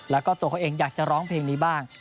แล้วก็ตัวเขาเองอยากจะร้องเพลงนี้บ้าง